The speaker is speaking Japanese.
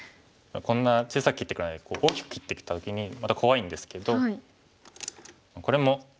こんな小さく切ってこないでこう大きく切ってきた時にまた怖いんですけどこれも捨てちゃいますね。